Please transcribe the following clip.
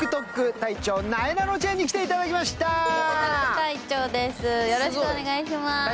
隊長、よろしくお願いします